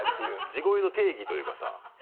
地声の定義というかさ。